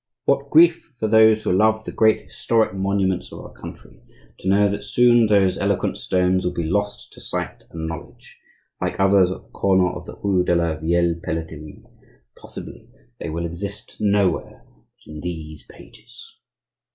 What grief for those who love the great historic monuments of our country to know that soon those eloquent stones will be lost to sight and knowledge, like others at the corner of the rue de la Vieille Pelleterie; possibly, they will exist nowhere but in these pages.